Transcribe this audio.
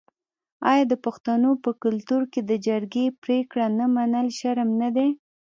آیا د پښتنو په کلتور کې د جرګې پریکړه نه منل شرم نه دی؟